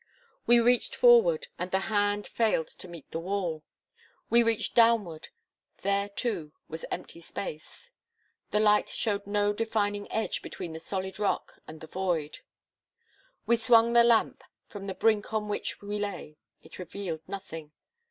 We reached forward, and the hand failed to meet the wall; we reached downward; there, too, was empty space. The light showed no defining edge between the solid rock and the void. We swung the lamp from the brink on which we lay; it revealed nothing.